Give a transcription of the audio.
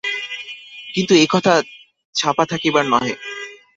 কিন্তু এ কথা ছাপা থাকিবার নহে।